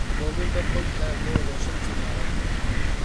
مومن تو خود ھے وہ روشن ستارا